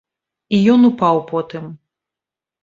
І ён упаў потым.